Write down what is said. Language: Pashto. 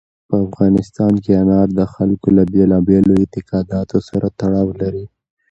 په افغانستان کې انار د خلکو له بېلابېلو اعتقاداتو سره تړاو لري.